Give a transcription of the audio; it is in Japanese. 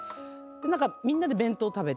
何かみんなで弁当食べて。